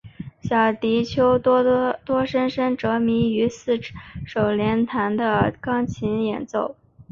小狄奥多深深着迷于四手联弹的钢琴演奏。